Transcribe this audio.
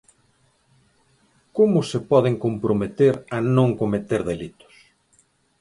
¿Como se poden comprometer a non cometer delitos?